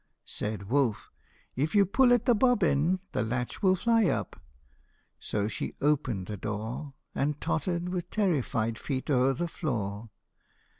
Said wolf, " If you pull at the bobbin, The latch will fly up !" So she opened the door, And tottered with terrified feet o'er the floor.